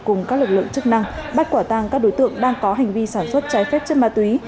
cùng các lực lượng chức năng bắt quả tang các đối tượng đang có hành vi sản xuất trái phép chất ma túy